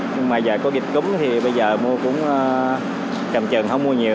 nhưng mà giờ có dịch cúng thì bây giờ mua cũng trầm trần không mua nhiều